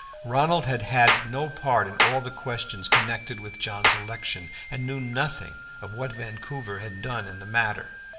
Ronald had had no part in all the questions connected with John's election, and knew nothing of what Vancouver had done in the matter.